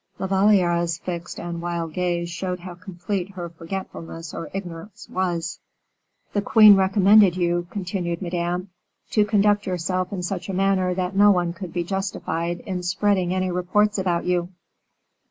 La Valliere's fixed and wild gaze showed how complete her forgetfulness or ignorance was. "The queen recommended you," continued Madame, "to conduct yourself in such a manner that no one could be justified in spreading any reports about you."